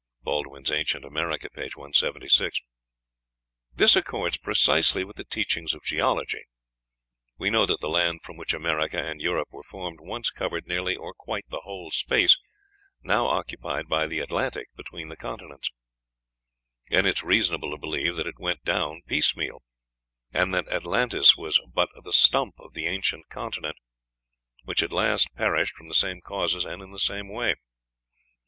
(Baldwin's "Ancient America," p. 176.) This accords precisely with the teachings of geology. We know that the land from which America and Europe were formed once covered nearly or quite the whole space now occupied by the Atlantic between the continents; and it is reasonable to believe that it went down piecemeal, and that Atlantis was but the stump of the ancient continent, which at last perished from the same causes and in the same way.